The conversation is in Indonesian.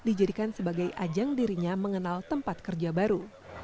dijadikan sebagai ajang dirinya mengenal tempat kerja baru